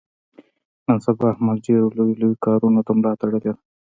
نن سبا احمد ډېرو لویو لویو کاونو ته ملا تړلې ده.